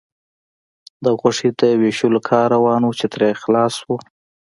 د غوښې د وېشلو کار روان و، چې ترې خلاص شول.